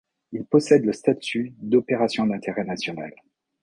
Il possède le statut d'opération d'intérêt national.